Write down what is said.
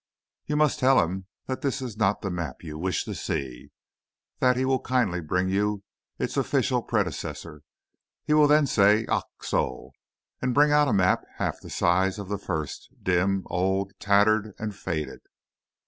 You must tell him that this is not the map you wish to see; that he will kindly bring you its official predecessor. He will then say, "Ach, so!" and bring out a map half the size of the first, dim, old, tattered, and faded.